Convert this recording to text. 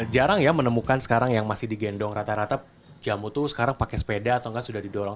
jarang ya menemukan sekarang yang masih digendong rata rata jamu tuh sekarang pakai sepeda atau enggak sudah didorong